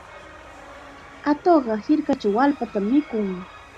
Atuqqa hirkachaw wallpatam mikun.